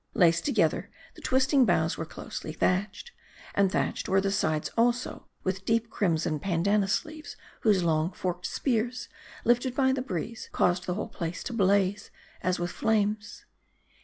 Laced together, the twisting boughs were closely thatched. And thatched were the sides also, with deep crimson pandannus leaves ; whose long, forked spears, lifted by the breeze, caused the whole place to blaze, as with flames.